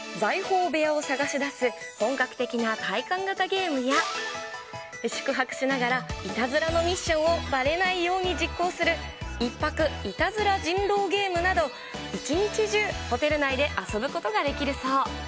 ほかにも、黄金の財宝部屋を探し出す本格的な体感型ゲームや、宿泊しながら、いたずらのミッションをばれないように実行する、一泊いたずら人狼ゲームなど、一日中、ホテル内で遊ぶことができるそう。